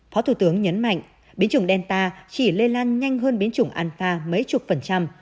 phó thủ tướng nhấn mạnh biến chủng delta chỉ lây lan nhanh hơn biến chủng anfa mấy chục phần trăm